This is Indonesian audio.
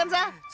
enggak kan sah